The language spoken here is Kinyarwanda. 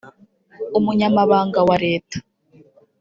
Umunyamabanga wa leta